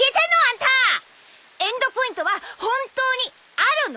エンドポイントは本当にあるの？